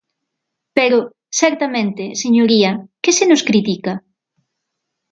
Pero, certamente, señoría, ¿que se nos critica?